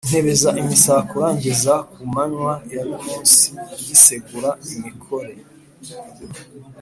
Ntebeza imisakura ngeza ku manywa ya nimunsi ngisegura imikore,